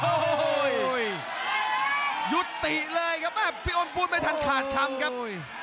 โอ้โหยุติเลยครับพี่โอมพูดไม่ทันขาดคำครับ